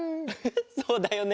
そうだよね。